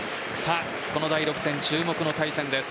この第６戦、注目の対戦です。